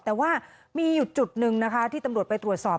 แต่ว่ามีอยู่จุดหนึ่งนะคะที่ตำรวจไปตรวจสอบ